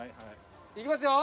いきますよ。